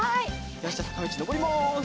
よしじゃあさかみちのぼります。